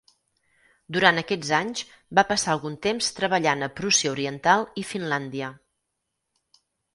Durant aquests anys, va passar algun temps treballant a Prússia Oriental i Finlàndia.